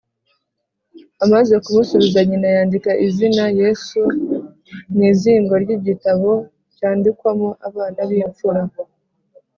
Amaze kumusubiza nyina, yandika izina “Yesu” mu muzingo w’igitabo cyandikwamo abana b’imfura